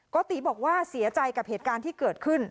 ติบอกว่าเสียใจกับเหตุการณ์ที่เกิดขึ้น